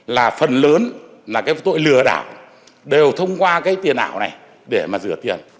là phần lớn là cái tội lừa đảo đều thông qua cái tiền ảo này để mà rửa tiền